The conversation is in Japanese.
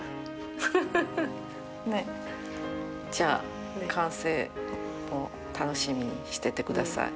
じゃあ完成を楽しみにしててください。